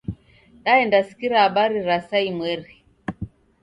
Daendasikiria habari ra saa imweri.